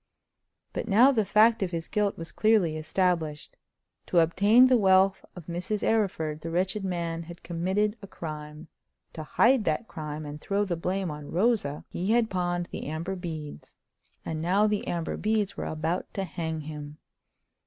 But now the fact of his guilt was clearly established. To obtain the wealth of Mrs. Arryford the wretched man had committed a crime; to hide that crime and throw the blame on Rosa he had pawned the amber beads; and now the amber beads were about to hang him.